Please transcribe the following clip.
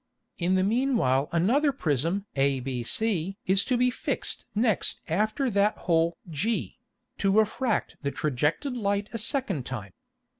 In the mean while another Prism abc is to be fixed next after that hole g, to refract the trajected Light a second time.